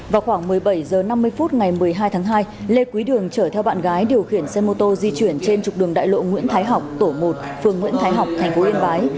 vào khoảng một mươi bảy h năm mươi phút ngày một mươi hai tháng hai lê quý đường chở theo bạn gái điều khiển xe mô tô di chuyển trên trục đường đại lộ nguyễn thái học tổ một phường nguyễn thái học tp yên bái